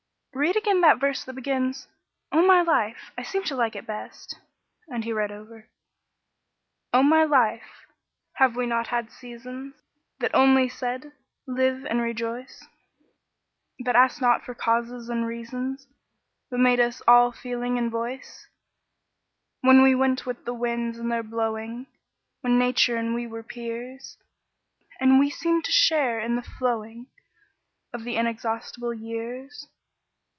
"Read again the verse that begins: 'O my life.' I seem to like it best." And he read it over: "O my life, have we not had seasons That only said, Live and rejoice? That asked not for causes and reasons, But made us all feeling and voice? When we went with the winds in their blowing, When Nature and we were peers, And we seemed to share in the flowing Of the inexhaustible years?